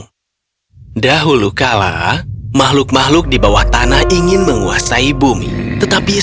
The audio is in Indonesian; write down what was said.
tidak tidak sampai kita temukan bayi petani